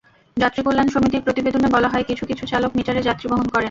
যাত্রী কল্যাণ সমিতির প্রতিবেদনে বলা হয়, কিছু কিছু চালক মিটারে যাত্রী বহন করেন।